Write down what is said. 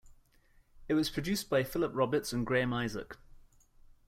It was produced by Philip Roberts and Graeme Isaac.